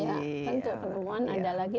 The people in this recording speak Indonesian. penemuan ada lagi